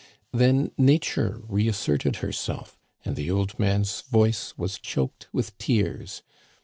Then Nature reasserted herself, and the old man's voice was choked with tears.